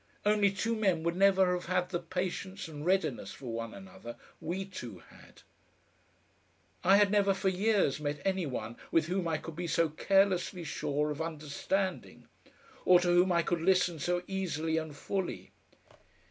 Only two men would never have had the patience and readiness for one another we two had. I had never for years met any one with whom I could be so carelessly sure of understanding or to whom I could listen so easily and fully.